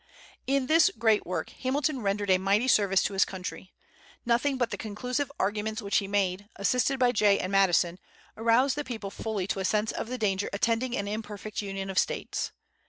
In this great work Hamilton rendered a mighty service to his country. Nothing but the conclusive arguments which he made, assisted by Jay and Madison, aroused the people fully to a sense of the danger attending an imperfect union of States.